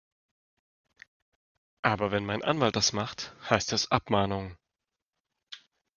Aber wenn mein Anwalt das macht, heißt es Abmahnung.